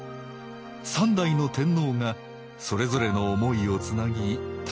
三代の天皇がそれぞれの思いをつなぎ誕生した日本。